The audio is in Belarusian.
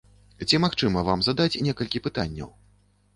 Ці магчыма вам задаць некалькі пытанняў?